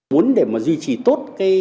muốn để mà duy trì tốt